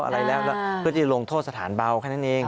อะไรแล้วเพื่อจะลงโทษสถานเบาแค่นั้นเอง